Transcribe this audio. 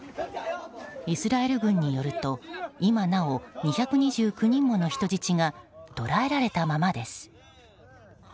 イスラエル軍によると今なお２２９人もの人質が捕らえられたままです。